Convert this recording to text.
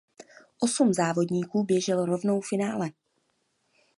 Osm závodníků běželo rovnou finále.